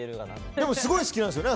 でもすごい好きなんですよね